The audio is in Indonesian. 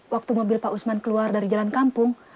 waktu mobil pak usman keluar dari jalan kampung